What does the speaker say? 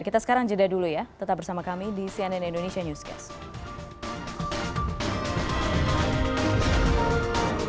kita sekarang jeda dulu ya tetap bersama kami di cnn indonesia newscast